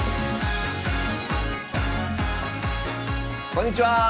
こんにちは！